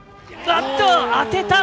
当てた！